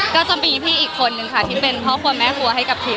ก็จะมีพี่อีกคนนึงค่ะที่เป็นพ่อครัวแม่ครัวให้กับทีม